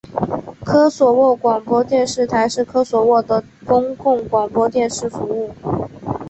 科索沃广播电视台是科索沃的公共广播电视服务。